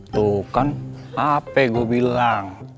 tuh kan hape gua bilang